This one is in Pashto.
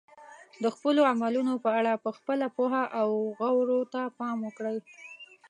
د خپلو عملونو په اړه په خپله پوهه او غورو ته پام وکړئ.